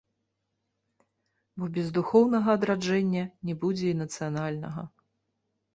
Бо без духоўнага адраджэння не будзе і нацыянальнага.